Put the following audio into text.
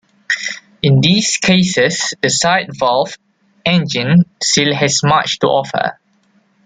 In these cases, the sidevalve engine still has much to offer.